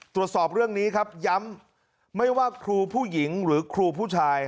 ตรวจสอบเรื่องนี้ครับย้ำไม่ว่าครูผู้หญิงหรือครูผู้ชาย